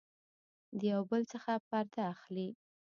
د يو بل څخه پرده اخلي